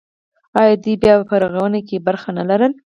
آیا دوی په بیارغونه کې ونډه نلره؟